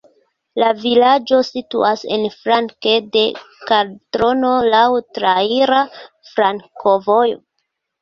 La vilaĝo situas en flanke de kaldrono, laŭ traira flankovojo.